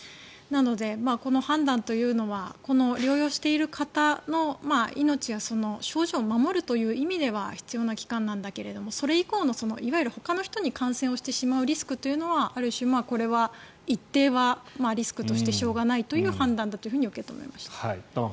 なのでこの判断というのはこの療養している方の命や症状を守るという意味では必要な期間なんだけどそれ以降のいわゆるほかの人に感染してしまうリスクある種、これは一定はリスクとしてしょうがないという判断だと受け止めました。